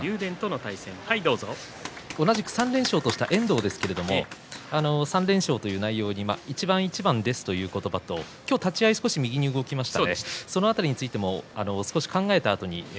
同じく３連勝とした遠藤ですけれども３連勝という内容に一番一番ですという言葉と今日は立ち合い少し右に動きました。